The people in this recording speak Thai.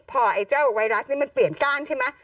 พอไอ้เจ้าไวรัสนี่มันเปลี่ยนก้านใช่ไหม